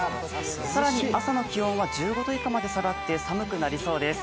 更に朝の気温は１５度以下まで下がって寒くなりそうです。